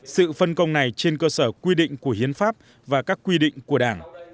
sự phân công này trên cơ sở quy định của hiến pháp và các quy định của đảng